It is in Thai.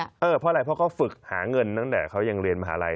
เพราะอะไรเพราะเขาฝึกหาเงินตั้งแต่เขายังเรียนมหาลัย